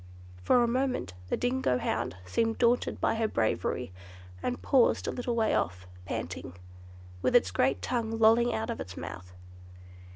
For a moment the dingo hound seemed daunted by her bravery, and paused a little way off, panting, with its great tongue lolling out of its mouth.